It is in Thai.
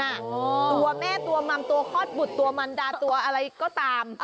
ตัวแม่ตัวมัมตัวคลอดบุตรตัวมันดาตัวอะไรก็ตาม